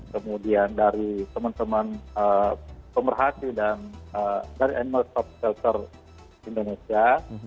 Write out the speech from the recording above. kemudian dari teman teman pemerhati dan dari animal stop sculpture indonesia